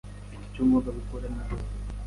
Mfite icyo ngomba gukora nimugoroba.